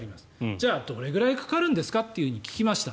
じゃあどれくらいかかるんですかと聞きました。